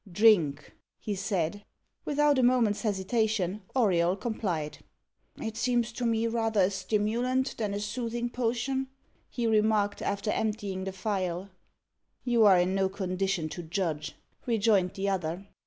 "Drink!" he said. Without a moment's hesitation Auriol complied. "It seems to me rather a stimulant than a soothing potion," he remarked, after emptying the phial. "You are in no condition to judge," rejoined the other.